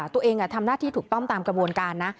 ตัวเองทำหน้าที่ถูกต้องตามกระบวนการนะ